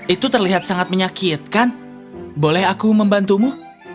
itu terlihat sangat menyakitkan boleh aku membantumu